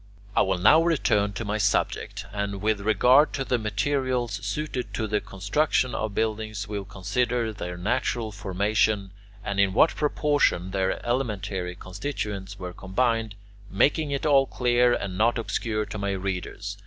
I will now return to my subject, and with regard to the materials suited to the construction of buildings will consider their natural formation and in what proportions their elementary constituents were combined, making it all clear and not obscure to my readers.